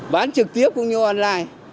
bán trực tiếp cũng như online